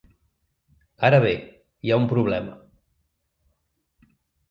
Ara bé, hi ha un problema.